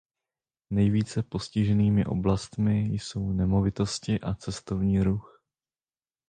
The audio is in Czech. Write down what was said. Nejvíce postiženými oblastmi jsou nemovitosti a cestovní ruch.